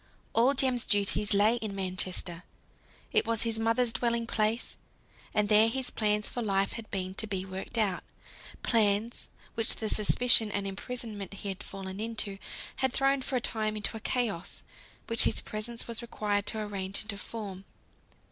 All Jem's duties lay in Manchester. It was his mother's dwelling place, and there his plans for life had been to be worked out; plans, which the suspicion and imprisonment he had fallen into, had thrown for a time into a chaos, which his presence was required to arrange into form.